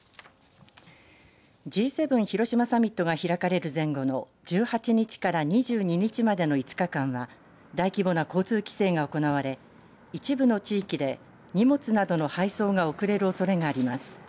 Ｇ７広島サミットが開かれる前後の１８日から２２日までの５日間は大規模な交通規制が行われ一部の地域で荷物などの配送が遅れるおそれがあります。